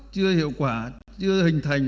chưa hiệu quả chưa hình thành